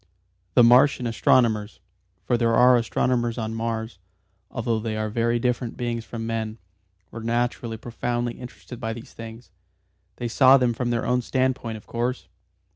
The Martian astronomers for there are astronomers on Mars, although they are very different beings from men were naturally profoundly interested by these things. They saw them from their own standpoint of course.